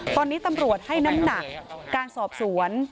ตอนนี้ตำรวจให้น้ำหนักการสอบสวน